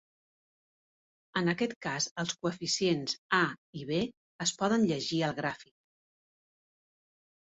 En aquest cas els coeficients a i be es poden llegir al gràfic.